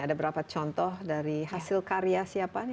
ada berapa contoh dari hasil karya siapa ini